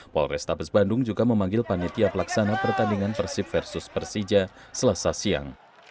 polrestabes bandung juga memanggil panitia pelaksana pertandingan persib versus persija selasa siang